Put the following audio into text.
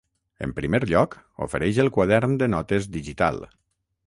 En primer lloc, ofereix el quadern de notes digital.